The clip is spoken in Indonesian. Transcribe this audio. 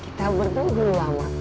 kita bertugul lah mak